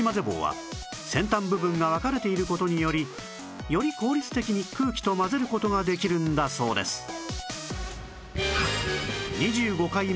棒は先端部分が分かれている事によりより効率的に空気と混ぜる事ができるんだそうです